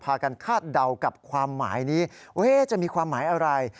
พากันคาดเดากับความหมายนี้จะมีความหมายอะไร